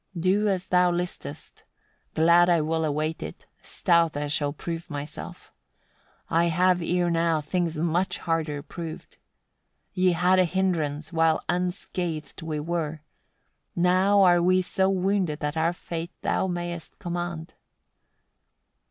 56. Do as thou listest, glad I will await it; stout I shall prove myself: I have ere now things much harder proved. Ye had a hindrance while unscathed we were: now are we so wounded that our fate thou mayest command.